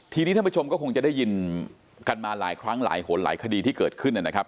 ทีนี้ท่านผู้ชมก็คงจะได้ยินกันมาหลายครั้งหลายหนหลายคดีที่เกิดขึ้นนะครับ